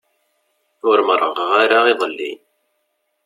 Ur merrɣeɣ ara iḍelli.